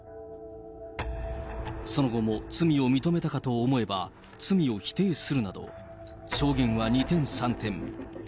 その後も罪を認めたかと思えば、罪を否定するなど、証言は二転三転。